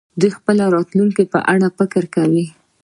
دوی د خپلې راتلونکې په اړه فکر کوي.